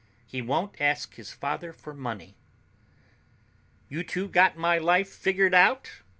He won't ask his father for money." "You two got my life figured out?"